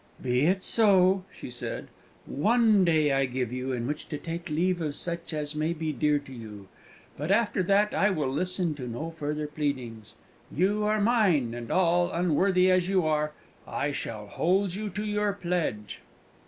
"Be it so," she said. "One day I give you in which to take leave of such as may be dear to you; but, after that, I will listen to no further pleadings. You are mine, and, all unworthy as you are, I shall hold you to your pledge!"